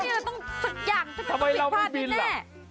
มันต้องมีอะไรต้องสักอย่างมันต้องมีอะไรผิดพลาดอยู่แน่